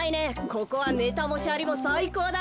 ここはネタもシャリもさいこうだよ。